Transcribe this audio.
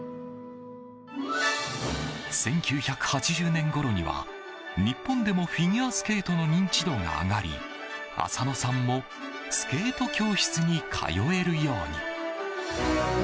１９８０年ごろには、日本でもフィギュアスケートの認知度が上がり浅野さんもスケート教室に通えるように。